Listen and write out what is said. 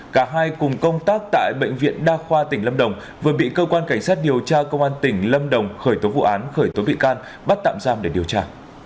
cả hai cùng công tác tại bệnh viện đa khoa tỉnh lâm đồng vừa bị cơ quan cảnh sát điều tra công an tỉnh lâm đồng khởi tố vụ án khởi tố bị can bắt tạm giam để điều tra